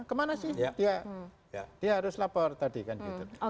kemana sih dia harus lapor tadi kan gitu